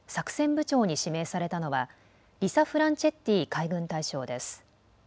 部長に指名されたのはリサ・フランチェッティ海軍大将です。